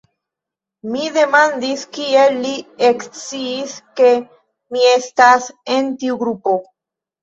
Mi demandis, kiel li eksciis, ke mi estas en tiu grupo.